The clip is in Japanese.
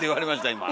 今。